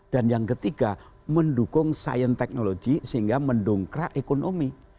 dan yang ketiga mendukung sain teknologi sehingga mendongkrak ekonomi